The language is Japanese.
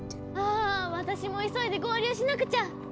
あぁ私も急いで合流しなくちゃ！